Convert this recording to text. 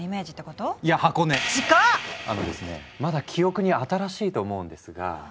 あのですねまだ記憶に新しいと思うんですが。